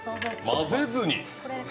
混ぜずに。